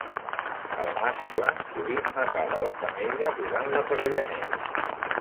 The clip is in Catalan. El mascle sovint matava la femella durant l'aparellament.